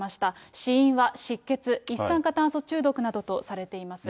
死因は失血、一酸化炭素中毒などとされています。